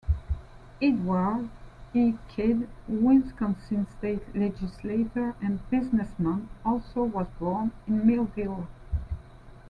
Edward I. Kidd, Wisconsin state legislator and businessman, also was born in Millville.